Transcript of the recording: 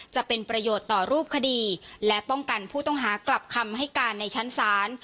จะเป็นประโยชน์ต่อรูปคดีและป้องกันผู้ต้องหากลับคำให้การในชั้นศาล